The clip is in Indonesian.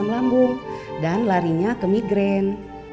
asam lambung dan larinya ke migren